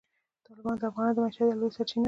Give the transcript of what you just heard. تالابونه د افغانانو د معیشت یوه لویه سرچینه ده.